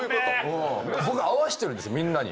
僕は合わせてるんですみんなに。